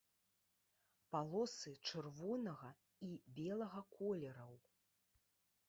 Палосы чырвонага і белага колераў.